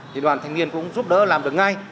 thì đoàn thanh niên cũng giúp đỡ làm được ngay